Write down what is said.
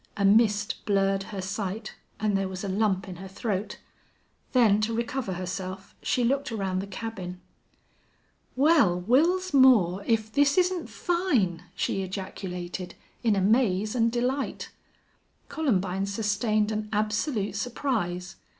A mist blurred her sight and there was a lump in her throat. Then, to recover herself, she looked around the cabin. "Well Wils Moore if this isn't fine!" she ejaculated, in amaze and delight. Columbine sustained an absolute surprise.